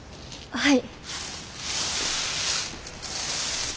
はい。